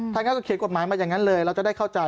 อย่างนั้นก็เขียนกฎหมายมาอย่างนั้นเลยเราจะได้เข้าใจ